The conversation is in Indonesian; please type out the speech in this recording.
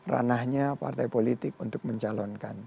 ranahnya partai politik untuk mencalonkan